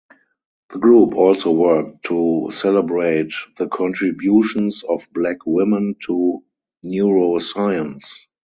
The group also worked to celebrate the contributions of Black women to neuroscience.